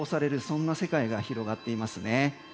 そんな世界が広がっていますね。